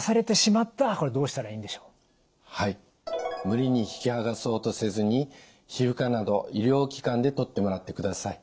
無理に引きはがそうとせずに皮膚科など医療機関で取ってもらってください。